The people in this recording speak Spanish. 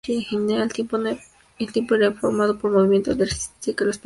Al tiempo irá formando un movimiento de resistencia que les permita salvarlos.